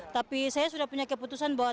tapi saya sudah punya keputusan bahwa